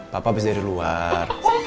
papa habis dari luar